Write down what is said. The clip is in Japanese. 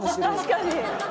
確かに。